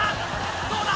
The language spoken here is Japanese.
どうだ？